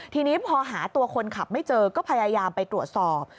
ทีนี้พอหาตัวคนขับไม่เจอก็พยายามไปตรวจสอบ